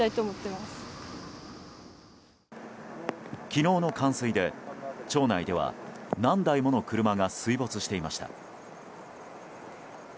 昨日の冠水で、町内では何台もの車が水没していました。